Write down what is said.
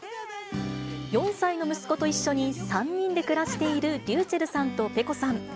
４歳の息子と一緒に３人で暮らしているｒｙｕｃｈｅｌｌさんとｐｅｃｏさん。